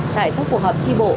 tại các cuộc họp tri bộ